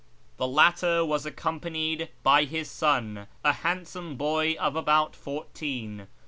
The latter was accompanied by his son, a handsome boy of about fourteen.